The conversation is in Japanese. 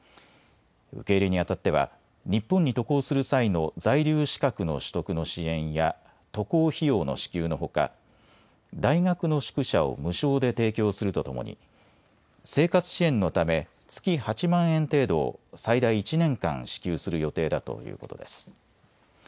受け入れにあたっては日本に渡航する際の在留資格の取得の支援や渡航費用の支給のほか大学の宿舎を無償で提供するとともに生活支援のため月８万円程度を最大１年間、支給する予定だということです。